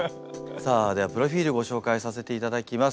さあではプロフィールご紹介させていただきます。